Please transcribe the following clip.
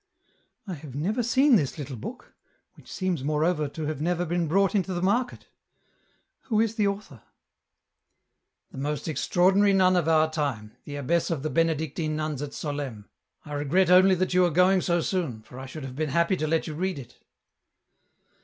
*' I have never seen this little book, which seems more over to have never been brought into the market. Who is the author ?"" The most extraordinary nun of our time, the abbess of the Benedictine nuns at Solesmes. I regret only that you are going so soon, for I should have been happy to let you read it.